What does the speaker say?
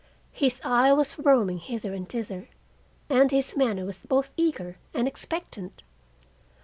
His eye was roaming hither and thither and his manner was both eager and expectant.